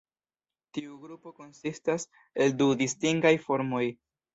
Tiu grupo konsistas el du distingaj formoj.